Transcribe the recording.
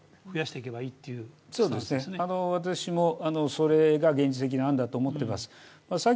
私もそれが現実的な案だと思っています。